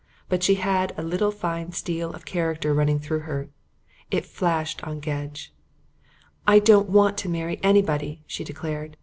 But she had a little fine steel of character running through her. It flashed on Gedge. "I don't want to marry anybody," she declared.